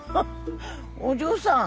お嬢さん